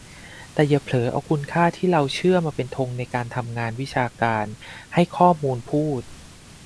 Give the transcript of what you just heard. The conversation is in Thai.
แต่อย่าเผลอเอาคุณค่าที่เราเชื่อมาเป็นธงในการทำงานวิชาการ ให้ข้อมูลพูด